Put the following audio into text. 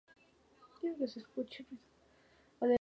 Young nació en Gilmore, Ohio.